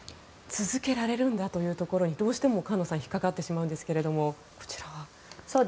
続けられるんだというところにどうしても菅野さん引っかかってしまうんですけどこちらは。